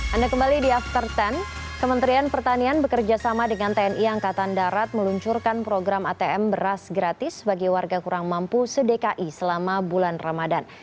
anda kembali di after sepuluh kementerian pertanian bekerjasama dengan tni angkatan darat meluncurkan program atm beras gratis bagi warga kurang mampu sedekai selama bulan ramadan